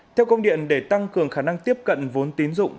theo công điện để tăng cường khả năng tiếp cận vốn tín dụng